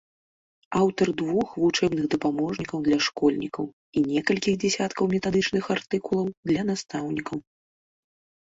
Аўтар двух вучэбных дапаможнікаў для школьнікаў і некалькіх дзясяткаў метадычных артыкулаў для настаўнікаў.